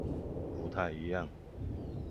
不太一樣